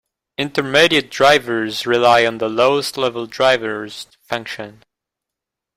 Intermediate drivers rely on the lowest level drivers to function.